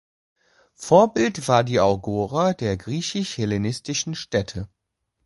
Vorbild war die Agora der griechisch-hellenistischen Städte.